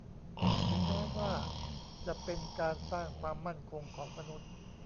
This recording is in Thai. ถึงแม้ว่าจะเป็นการสร้างความมั่นคงของมนุษย์